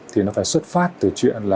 thì nó phải xuất phát từ chuyện